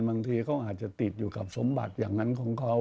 บางทีเขาอาจจะติดอยู่กับสมบัติอย่างนั้นของเขา